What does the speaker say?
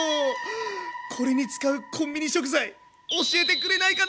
これに使うコンビニ食材教えてくれないかな？